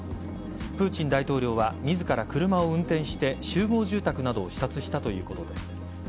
プーチン大統領は自ら車を運転して集合住宅などを視察したということです。